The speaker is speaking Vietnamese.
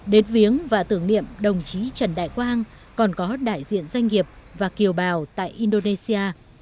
đến viếng và tưởng niệm đồng chí trần đại quang còn có đại diện doanh nghiệp và kiều bào tại indonesia